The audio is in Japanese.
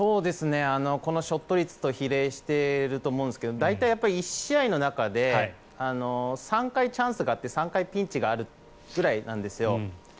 このショット率と比例していると思うんですけど大体１試合の中で３回チャンスがあって３回ピンチがあるぐらいなんですよ。